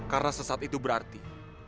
karena sesat itu berarti